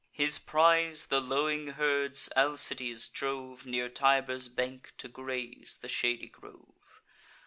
His prize, the lowing herds, Alcides drove Near Tiber's bank, to graze the shady grove.